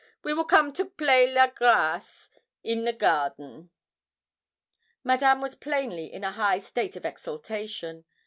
and we will come to play la grace in the garden.' Madame was plainly in a high state of exultation.